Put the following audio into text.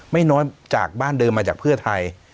ไม่น้อยจากบ้านเดิมมาจากเพื่อไทย